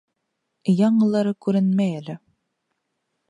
Яңылары күренмәй әле.